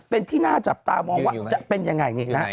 เป็นที่น่าจับตามองว่าอยู่ไงนะ